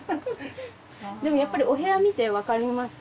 でもやっぱりお部屋見て分かります。